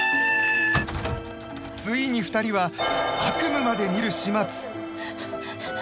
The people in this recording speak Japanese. ついに２人は悪夢まで見る始末。